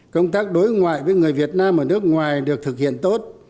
công tác đối ngoại với người việt nam ở nước ngoài được thực hiện tốt